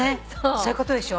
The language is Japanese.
そういうことでしょ？